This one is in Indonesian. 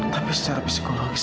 tapi secara psikologis